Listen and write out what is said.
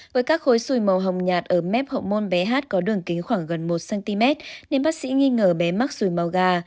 với các khối xùi màu hồng nhạt ở mép hậu môn bé hát có đường kính khoảng gần một cm nên bác sĩ nghi ngờ bé mắc xùi màu gà